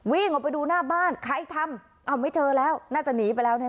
วิ่งออกไปดูหน้าบ้านใครทำอ้าวไม่เจอแล้วน่าจะหนีไปแล้วเนี่ย